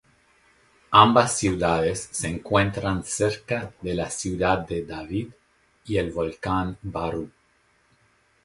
Ambas ciudades se encuentran cerca de la ciudad de David y el volcán Barú.